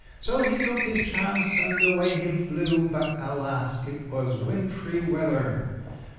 So he took his chance and away he flew; But, alas! it was wintry weather.